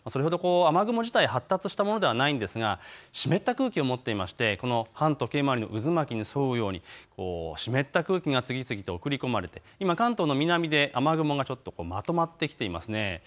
雨雲自体発達したものではないんですが湿った空気を持っていまして反時計回りの渦巻きに沿うように湿った空気が次々と送り込まれて今、関東の南で雨雲がまとまってきています。